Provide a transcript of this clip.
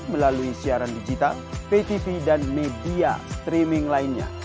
melalui siaran digital patv dan media streaming lainnya